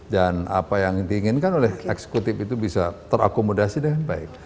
dan apa yang diinginkan oleh eksekutif itu bisa terakomodasi dengan baik